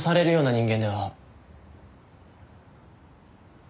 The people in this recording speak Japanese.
「人間では」？